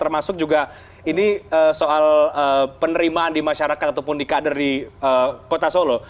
termasuk juga ini soal penerimaan di masyarakat ataupun di kader di kota solo